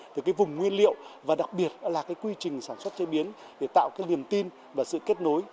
từ cái vùng nguyên liệu và đặc biệt là cái quy trình sản xuất chế biến để tạo cái niềm tin và sự kết nối